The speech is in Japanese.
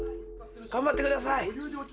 頑張ってください！